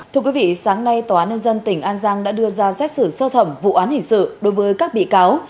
thưa quý vị sáng nay tòa án nhân dân tỉnh an giang đã đưa ra xét xử sơ thẩm vụ án hình sự đối với các bị cáo